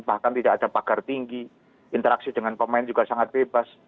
bahkan tidak ada pagar tinggi interaksi dengan pemain juga sangat bebas